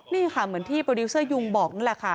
นี่ค่ะเหมือนที่โปรดิวเซอร์ยุงบอกนั่นแหละค่ะ